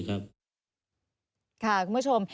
ค่าคุณผู้ชม